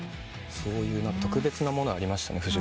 そういう特別なものありましたね。